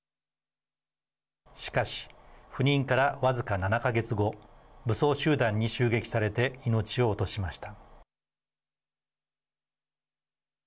しかし、赴任から僅か７か月後武装集団に襲撃されて命を落としました。